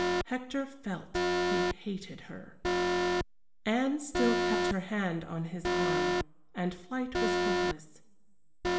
Hector felt he hated her. Anne still kept her hand on his arm, and flight was hopeless.